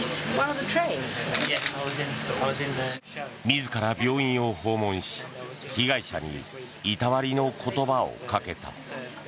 自ら病院を訪問し、被害者にいたわりの言葉をかけた。